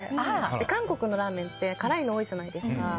私、辛いの苦手で韓国のラーメンって辛いの多いじゃないですか。